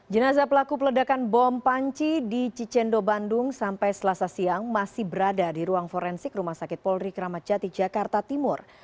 jenazah pelaku peledakan bom panci di cicendo bandung sampai selasa siang masih berada di ruang forensik rumah sakit polri kramat jati jakarta timur